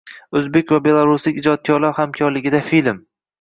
O‘zbek va belaruslik ijodkorlar hamkorligida film